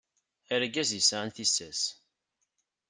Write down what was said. Argaz yesɛan tissas.